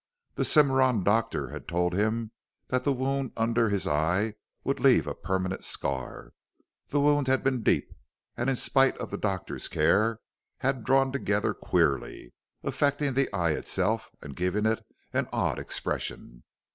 The Cimarron doctor had told him that the wound under his eye would leave a permanent scar the wound had been deep and in spite of the doctor's care, had drawn together queerly, affecting the eye itself and giving it an odd expression.